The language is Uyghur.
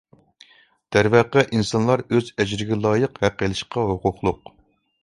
دەرۋەقە، ئىنسانلار ئۆز ئەجرىگە لايىق ھەق ئېلىشقا ھوقۇقلۇق.